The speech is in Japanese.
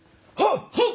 はっ。